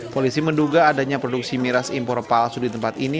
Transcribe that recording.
polisi menduga adanya produksi miras impor palsu di tempat ini